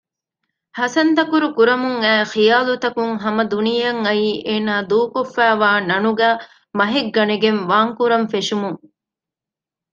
ހަސަންތަކުރު ކުރަމުންއައި ޚިޔާލުތަކުން ހަމަދުނިޔެއަށް އައީ އޭނާ ދޫކޮށްފައިވާ ނަނުގައި މަހެއްގަނެގެން ވާންކުރަންފެށުމުން